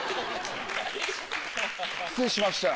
失礼しました。